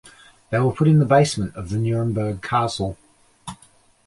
They were put in the basement of the Nuremberg Castle.